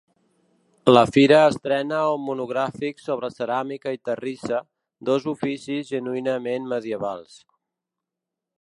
La fira estrena un monogràfic sobre ceràmica i terrissa, dos oficis genuïnament medievals.